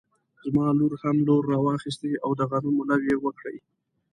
زما لور هم لور راواخيستی او د غنمو لو يې وکړی